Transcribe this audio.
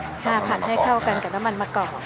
ใช่ผัดให้เข้ากันกับน้ำมันมะกอก